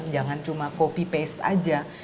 jangan cuma copy paste aja